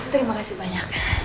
terima kasih banyak